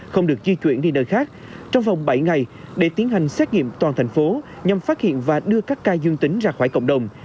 không được di chuyển đi nơi khác trong vòng bảy ngày để tiến hành xét nghiệm toàn thành phố nhằm phát hiện và đưa các ca dương tính ra khỏi cộng đồng